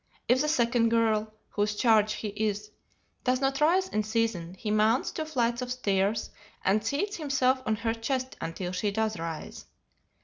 If the second girl, whose charge he is, does not rise in season, he mounts two flights of stairs and seats himself on her chest until she does rise.